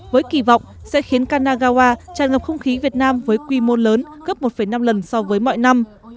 với kỳ vọng sẽ khiến knagawa tràn ngập không khí việt nam với quy mô lớn gấp một năm lần so với mọi năm